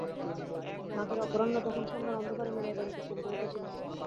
মাঘের অপরাহ্ন তখন সন্ধ্যার অন্ধকারে মিলাইবার উপক্রম করিতেছিল।